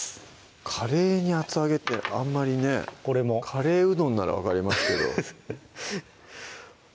カレーに厚揚げってあんまりねカレーうどんなら分かりますけどフフフッ